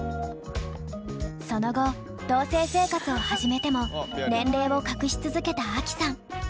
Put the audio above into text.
その後同棲生活を始めても年齢を隠し続けたアキさん。